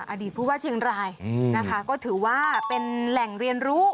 อดีตผู้ว่าเชียงรายนะคะก็ถือว่าเป็นแหล่งเรียนรู้